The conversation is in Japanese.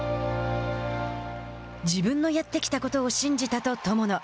自分のやってきたことを信じたと友野。